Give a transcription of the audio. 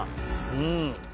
うん。